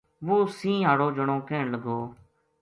وہ سَینہ ہاڑو جنو کہن لگو